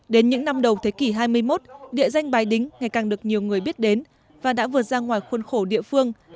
đến những năm đầu thế kỷ hai mươi một địa danh bài đính ngày càng được nhiều người biết đến và đã vượt ra ngoài khuôn khổ địa phương